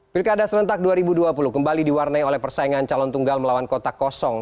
pilkada serentak dua ribu dua puluh kembali diwarnai oleh persaingan calon tunggal melawan kota kosong